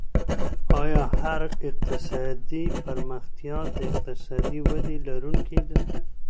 آيا هره اقتصادي پرمختيا د اقتصادي ودي لرونکې ده؟